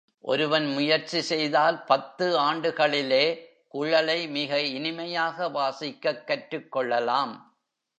ஒருவன் முயற்சி செய்தால் பத்து ஆண்டுகளிலே குழலை மிக இனிமையாக வாசிக்கக் கற்றுக் கொள்ளலாம்.